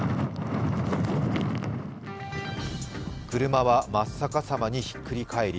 車は真っ逆さまにひっくり返り